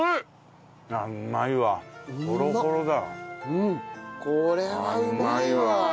うんこれはうまいわ。